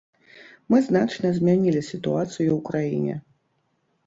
Мы значна змянілі сітуацыю ў краіне.